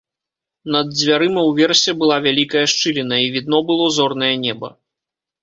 Над дзвярыма ўверсе была вялікая шчыліна, і відно было зорнае неба.